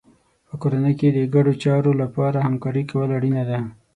په کورنۍ کې د ګډو چارو لپاره همکاري کول اړینه ده.